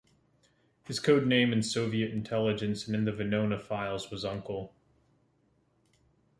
His code name in Soviet intelligence and in the Venona files was "Uncle".